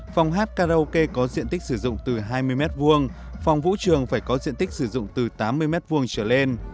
phòng hát karaoke có diện tích sử dụng từ hai mươi m hai phòng vũ trường phải có diện tích sử dụng từ tám mươi m hai trở lên